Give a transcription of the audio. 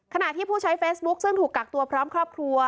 ขณะที่ผู้ใช้เฟซบุ๊คซึ่งถูกกักตัวพร้อมครอบครัว